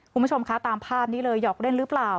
คุณผู้ชมคะตามภาพนี้เลยหยอกเล่นหรือเปล่า